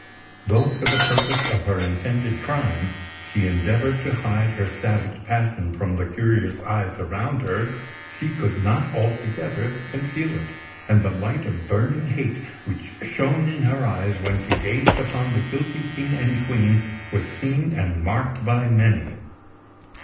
Though for the purposes of her intended crime, she endeavoured to hide her savage passion from the curious eyes around her, she could not altogether conceal it; and the light of burning hate which shone in her eyes when she gazed upon the guilty King and Queen was seen and marked by many.